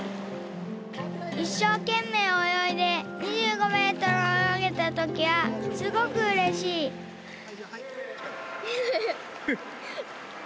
いっしょうけんめいおよいで２５メートルおよげたときはすごくうれしいハハハ。